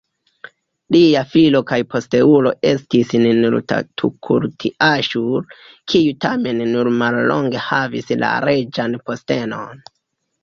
Lia filo kaj posteulo estis Ninurta-tukulti-Aŝur, kiu tamen nur mallonge havis la reĝan postenon.